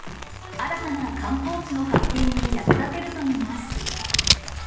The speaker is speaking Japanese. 新たな観光地の発見に役立てるといいます。